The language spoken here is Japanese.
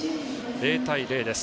０対０です。